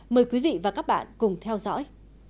mời quý vị và các bạn cùng theo dõi